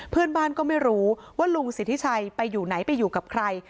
เพื่อนบ้านก็ไม่รู้ว่าลุงสิทธิชัยไปอยู่ไหนไปอยู่กับใคร